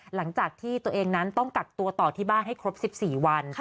หลังจากที่ตัวเองนั้นต้องกักตัวต่อที่บ้านให้ครบ๑๔วัน